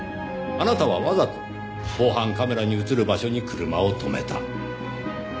あなたはわざと防犯カメラに映る場所に車を止めた。